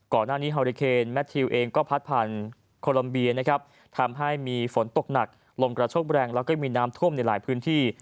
ก่อนหน้านี้ฮอริเคนแมททิวเองก็พัดผ่านโคลัมเบียนะครับทำให้มีฝนตกหนักลมกระโชคแรงแล้วก็มีน้ำท่วมในหลายพื้นที่